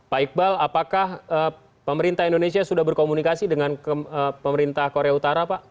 pak iqbal apakah pemerintah indonesia sudah berkomunikasi dengan pemerintah korea utara pak